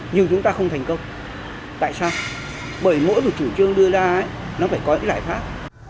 nhưng chúng ta không thành công tại sao bởi mỗi một chủ trương đưa ra ấy nó phải có những giải pháp